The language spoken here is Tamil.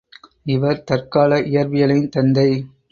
இவர் தற்கால இயற்பியலின் தந்தை.